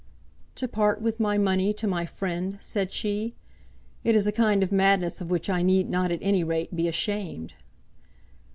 "To part with my money to my friend?" said she. "It is a kind of madness of which I need not at any rate be ashamed."